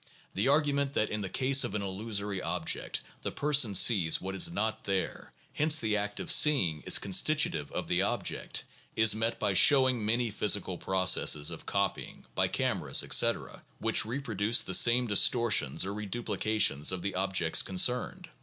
The argument that in the case of an illusory object the person sees what is not there, hence the act of seeing is constitutive of the object, is met by showing many physical processes of copying, by cameras, etc., which reproduce the same distortions or reduplications of the objects concerned.